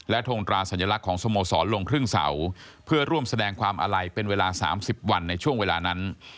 ทงตราสัญลักษณ์ของสโมสรลงครึ่งเสาเพื่อร่วมแสดงความอาลัยเป็นเวลา๓๐วันในช่วงเวลานั้น